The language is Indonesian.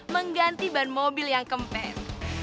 mengganti ban mobil yang kempel